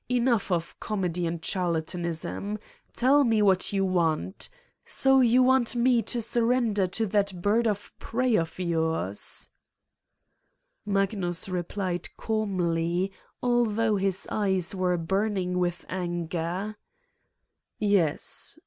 Enough of comedy and charlatan ism. Tell me what you want. So you want me to surrender to that bird of prey of yours f " Magnus replied calmly, although his eyes were burning with anger : "Yes.